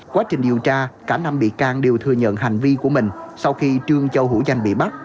quá trình điều tra cả năm bị can đều thừa nhận hành vi của mình sau khi trương châu hữu danh bị bắt